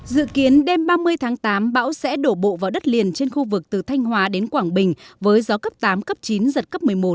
dự kiến đêm ba mươi tháng tám bão sẽ đổ bộ vào đất liền trên khu vực từ thanh hóa đến quảng bình với gió cấp tám cấp chín giật cấp một mươi một